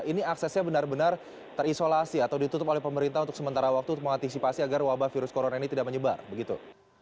ini aksesnya benar benar terisolasi atau ditutup oleh pemerintah untuk sementara waktu untuk mengantisipasi agar wabah virus corona ini tidak menyebar begitu